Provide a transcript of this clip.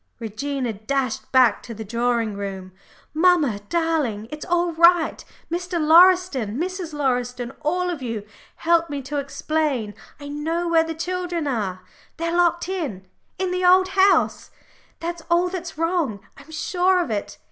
Regina dashed back to the drawing room. "Mamma darling, it's all right. Mr. Lauriston, Mrs. Lauriston, all of you, help me to explain. I know where the children are they're locked in, in the Old House that's all that's wrong I'm sure of it.